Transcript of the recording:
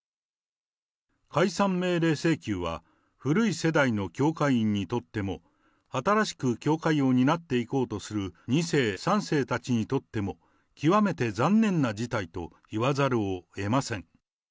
解散命令請求は、古い世代の教会員にとっても、新しく教会を担っていこうとする２世、３世たちにとっても、極めて残念な事態と言わざるをえません。